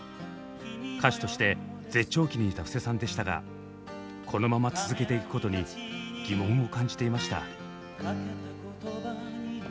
歌手として絶頂期にいた布施さんでしたがこのまま続けていくことに疑問を感じていました。